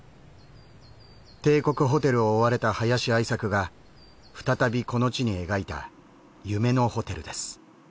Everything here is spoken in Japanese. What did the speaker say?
「帝国ホテル」を追われた林愛作が再びこの地に描いた夢のホテルです。